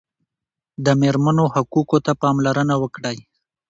د مېرمنو حقوقو ته پاملرنه وکړئ.